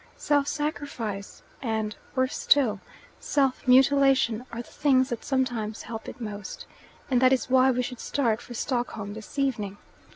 Self sacrifice and worse still self mutilation are the things that sometimes help it most, and that is why we should start for Stockholm this evening."